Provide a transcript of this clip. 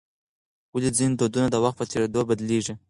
ولې ځینې دودونه د وخت په تېرېدو بدلیږي؟